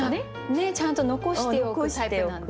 ちゃんと残しておくタイプなんですね。